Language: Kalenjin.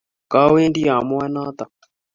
Kawendi amuoe notok